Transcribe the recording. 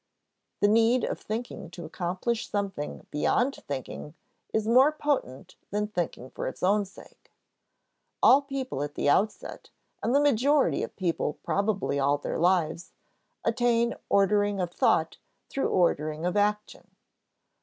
The need of thinking to accomplish something beyond thinking is more potent than thinking for its own sake. All people at the outset, and the majority of people probably all their lives, attain ordering of thought through ordering of action.